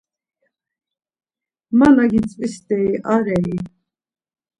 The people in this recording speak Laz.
Ma na gitzvi steri arei?